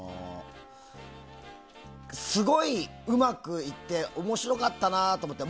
すごいうまくいっておもしろかったなと思って。